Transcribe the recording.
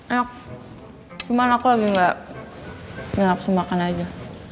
enak cuman aku lagi gak enak semakan aja